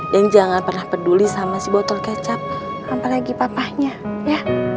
dan jangan pernah peduli sama si botol kecap apalagi papahnya ya